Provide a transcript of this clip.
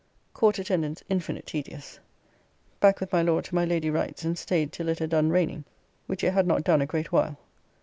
Court attendance infinite tedious. Back with my Lord to my Lady Wright's and staid till it had done raining, which it had not done a great while.